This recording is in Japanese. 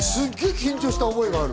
緊張した覚えがある。